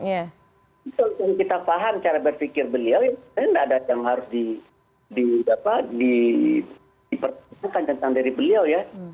itu yang kita paham cara berpikir beliau ya tidak ada yang harus dipertanyakan tentang dari beliau ya